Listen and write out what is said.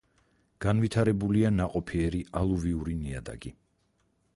განვითარებულია ნაყოფიერი ალუვიური ნიადაგი.